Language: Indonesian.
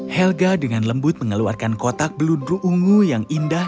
helga dengan lembut mengeluarkan kotak beludru ungu yang indah